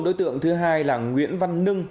đối tượng thứ hai là nguyễn văn nưng